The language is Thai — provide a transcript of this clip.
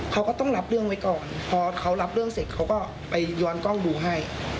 เขาก็ต้องรับเรื่องไว้ก่อนพอเขารับเรื่องเสร็จเขาก็ไปย้อนกล้องดูให้